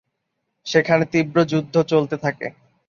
সেখানে তীব্র যুদ্ধ চলতে থাকে।